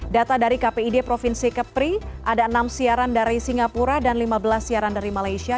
data dari kpid provinsi kepri ada enam siaran dari singapura dan lima belas siaran dari malaysia